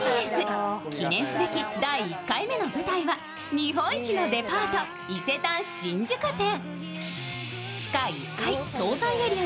記念すべき第１回目の舞台は日本一のデパート伊勢丹新宿店。